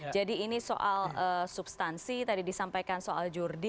jadi ini soal substansi tadi disampaikan soal jurdil